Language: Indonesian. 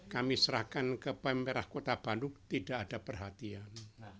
kami serahkan ke pemerintah kota bandung tidak ada perhatian